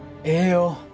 ええよ。